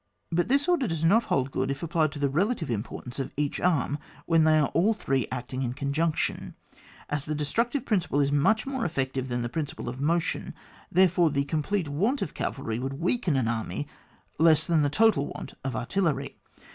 But this order does not hold good if applied to the relative importance of each arm when they are all three acting in conjunction. As the destructiye princi ple is much more effective than the prin ciple of motion, therefore the complete want of cavalry would weaken an army less than the total want of artillery.